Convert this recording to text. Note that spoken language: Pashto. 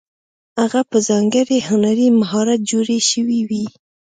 هغه په ځانګړي هنري مهارت جوړې شوې وې.